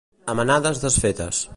A manades desfetes.